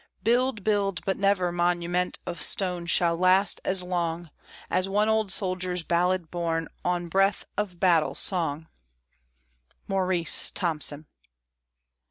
Build, build, but never monument of stone shall last as long As one old soldier's ballad borne on breath of battle song. MAURICE THOMPSON.